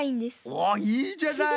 おっいいじゃない。